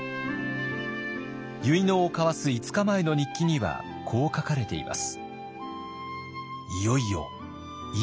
結納を交わす５日前の日記にはこう書かれています。